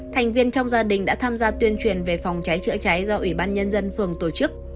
thành viên trong gia đình đã tham gia tuyên truyền về phòng cháy chữa cháy do ủy ban nhân dân phường tổ chức